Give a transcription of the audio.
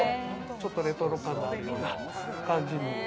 ちょっとレトロ感のあるような感じに。